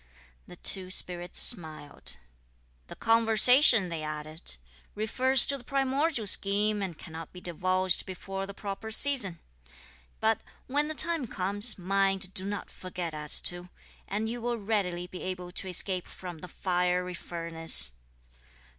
The two spirits smiled, "The conversation," they added, "refers to the primordial scheme and cannot be divulged before the proper season; but, when the time comes, mind do not forget us two, and you will readily be able to escape from the fiery furnace."